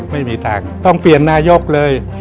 ไม่มีทางต้องเปลี่ยนนายกเลย